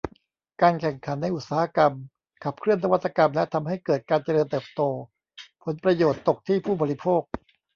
การแข่งขันในอุตสาหกรรมขับเคลื่อนนวัตกรรมและทำให้เกิดการเจริญเติบโต ผลประโยชน์ตกที่ผู้บริโภค